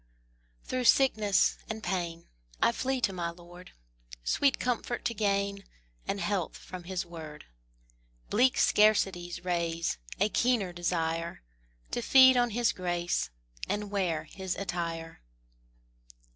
Through sickness and pain I flee to my Lord, Sweet comfort to gain, And health from His word; Bleak scarcities raise A keener desire, To feed on His grace, And wear His attire.